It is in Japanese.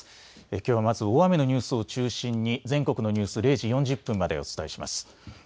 きょうはまず大雨のニュースを中心に全国のニュース、０時４０分までお伝えします。